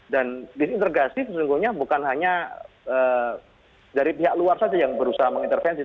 dan disintergasi sesungguhnya bukan hanya dari pihak luar saja yang berusaha mengintervensi